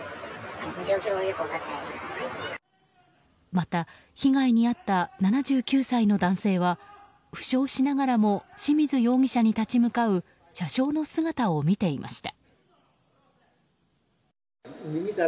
また被害に遭った７９歳の男性は負傷しながらも清水容疑者に立ち向かう車掌の姿を見ていました。